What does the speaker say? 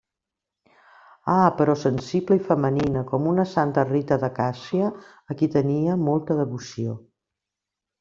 Ah, però sensible i femenina com una santa Rita de Càssia, a qui tenia molta devoció.